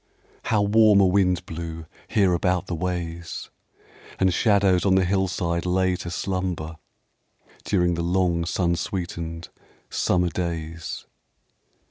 How warm a wind blew here about the ways! And shadows on the hillside lay to slumber During the long sun sweetened summer days.